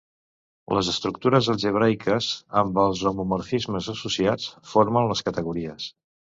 Les estructures algebraiques, amb els homomorfismes associats, formen les categories.